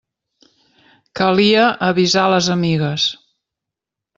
Calia avisar les amigues.